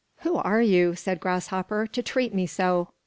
"Who are you," said Grasshopper, "to treat me so?